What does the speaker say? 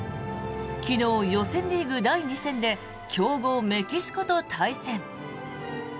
昨日、予選リーグ第２戦で強豪メキシコと対戦。